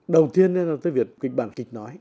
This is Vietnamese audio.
đầu tiên là tôi viết cái bản kịch nói